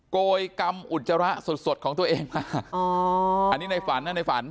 โกยกรรมอุจจาระสดสดของตัวเองมาอ๋ออันนี้ในฝันนะในฝัน